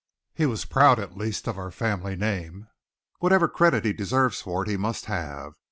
"He was proud, at least, of our family name. Whatever credit he deserves for it, he must have.